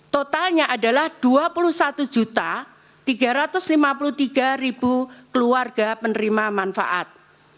totalnya adalah dua puluh satu tiga ratus lima puluh tiga keluarga penerima manfaat